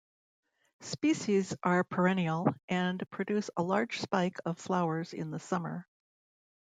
Species are perennial, and produce a large spike of flowers in the summer.